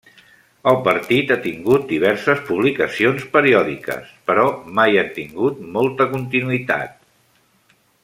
El partit ha tingut diverses publicacions periòdiques, però mai han tingut molta continuïtat.